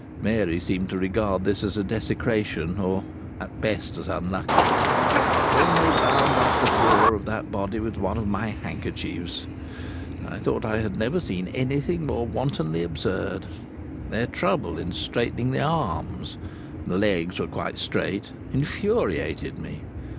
Mary seemed to regard this as a desecration, or at best as unlucky. Then they bound up the jaw of that body with one of my handkerchiefs. I thought I had never seen anything more wantonly absurd. Their trouble in straightening the arms the legs were quite straight infuriated me.